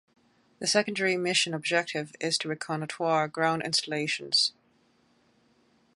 The secondary mission objective is to reconnoitre ground installations.